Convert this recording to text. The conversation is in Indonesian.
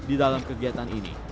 di dalam kegiatan ini